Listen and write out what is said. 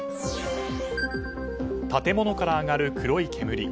建物から上がる黒い煙。